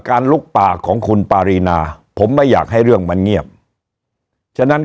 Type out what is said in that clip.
ลุกป่าของคุณปารีนาผมไม่อยากให้เรื่องมันเงียบฉะนั้น